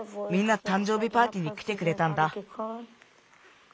みんなたん生日パーティーにきてくれたんだ。